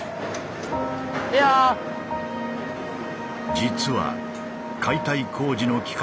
実は解体工事の期間